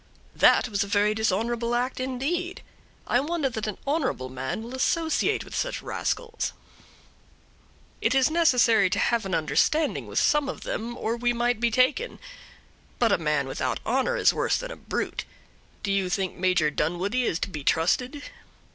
"That was a very dishonorable act, indeed; I wonder that an honorable man will associate with such rascals." "It is necessary to have an understanding with some of them, or we might be taken; but a man without honor is worse than a brute. Do you think Major Dunwoodie is to be trusted?"